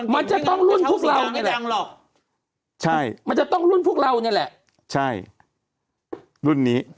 มันจะต้องรุ่นพวกเรานี่แหละมันจะต้องรุ่นพวกเรานี่แหละใช่รุ่นนี้